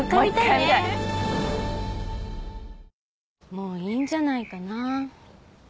もういいんじゃないかな。